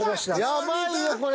やばいよこれ。